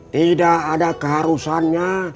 tidak ada keharusannya